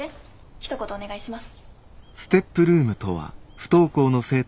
ひと言お願いします。